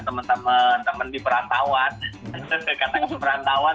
temen temen di perantauan